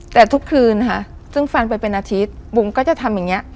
แต่ทุกคืนค่ะซึ่งฟันไปเป็นอาทิตย์บุ๋มก็จะทำอย่างนี้